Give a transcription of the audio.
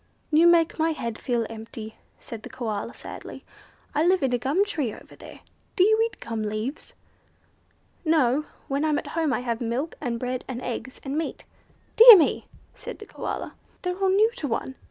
"You make my head feel empty," said the Koala, sadly. "I live in the gum tree over there. Do you eat gum leaves?" "No. When I'm at home I have milk, and bread, and eggs, and meat." "Dear me!" said the Koala. "They're all new to one.